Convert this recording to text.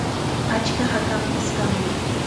Achka hakanpis kanmi.